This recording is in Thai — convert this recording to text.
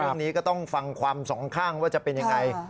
เรื่องนี้ก็ต้องฟังความสองข้างว่าจะเป็นยังไง